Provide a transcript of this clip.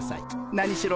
何しろ